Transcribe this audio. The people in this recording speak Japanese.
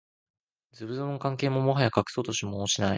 ズブズブの関係をもはや隠そうともしない